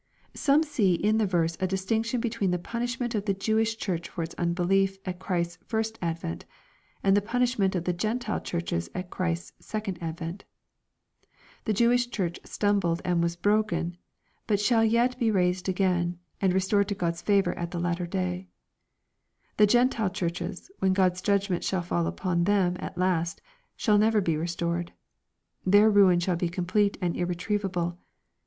Some see in the verse a distinction between the punishment of the Jewish Church for its unbelief at Christ's first advent^ and the punishment of the Gentile Churches at Christ's second advent. The Jewish Church stumbled and was " broken," but shall yet be raised again, and restored to God's favor at the latter day; The Gentile Churches, when God's judgments shall fall upon them at last, shall never be restored. Their ruin shall be complete and ir retrievable.